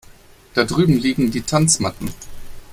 Da drüben liegen die Tanzmatten.